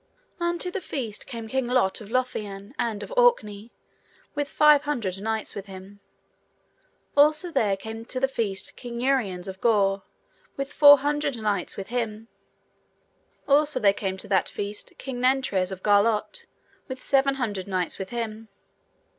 Unto the feast came King Lot of Lothian and of Orkney, with five hundred knights with him. Also there came to the feast King Uriens of Gore with four hundred knights with him. Also there came to that feast King Nentres of Garlot, with seven hundred knights with him.